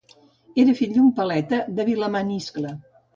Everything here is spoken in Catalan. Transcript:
Era fill d'un paleta de Vilamaniscle.